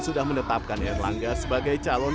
sudah menetapkan erlangga sebagai calon